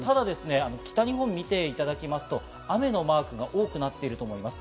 北日本を見ていただきますと雨のマークが多くなっています。